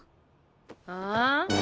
ああ？